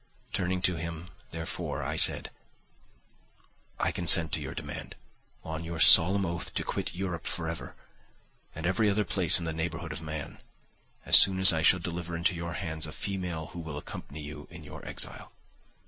Turning to him, therefore, I said, "I consent to your demand, on your solemn oath to quit Europe for ever, and every other place in the neighbourhood of man, as soon as I shall deliver into your hands a female who will accompany you in your exile."